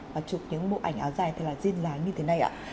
và chụp những bộ ảnh áo dài riêng ráng như thế này